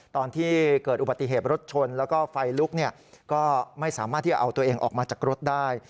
ตอนที่เกิดอุบัติเหตุรถชนแล้วก็ไฟลุกก็ไม่สามารถที่จะเอาตัวเองออกมาจากรถได้